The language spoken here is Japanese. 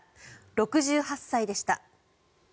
６８歳でした。